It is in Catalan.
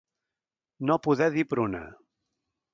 No poder dir pruna.